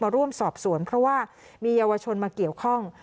ร่วมสอบสวนเพราะว่ามีเยาวชนมาเกี่ยวข้อง